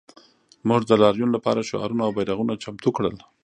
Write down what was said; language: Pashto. موږ د لاریون لپاره شعارونه او بیرغونه چمتو کړل